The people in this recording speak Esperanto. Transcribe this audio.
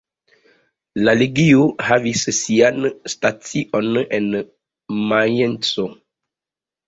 La legio havis sian stacion en Majenco.